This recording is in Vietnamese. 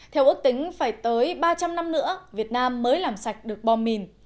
theo ước tính phải tới ba trăm linh năm nữa việt nam mới làm sạch được bom mìn